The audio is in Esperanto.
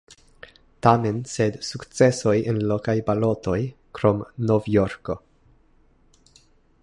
Tamen sen sukcesoj en lokaj balotoj, krom Nov-Jorko.